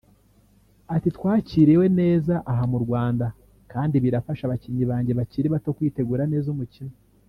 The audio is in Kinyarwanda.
Ati “Twakiriwe neza aha mu Rwanda kandi birafasha abakinnyi banjye bakiri bato kwitegura neza umukino